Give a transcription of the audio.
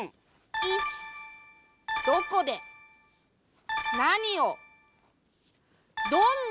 いつどこでなにをどんな。